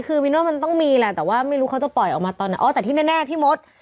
คือมิโน่มันต้องมีแหละแต่ว่าไม่รู้เขาจะปล่อยออกมาตอนไหนอ๋อแต่ที่แน่พี่มด